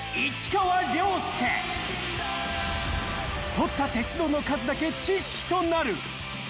［撮った鉄道の数だけ知識となる］